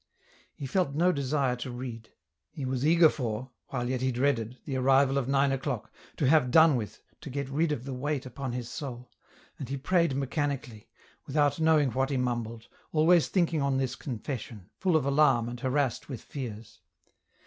He felt no desire to read ; he was eager for, while yet he dreaded, the arrival of nine o'clock, to have done with, to get rid of the weight upon his soul, and he prayed mechani cally, without knowing what he mumbled, always thinking on this confession, full of alarm and harassed with fears.